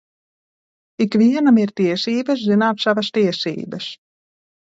Ik vienam ir tiesības zināt savas tiesības.